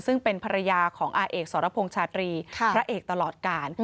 ซึ่งเป็นภรรยาของอาเอกสรพงษ์ชาตรีพระเอกตลอดกาล